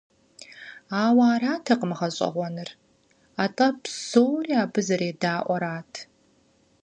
Ауэ аратэкъым гъэщӀэгъуэныр, атӀэ псори абы зэредаӀуэрат.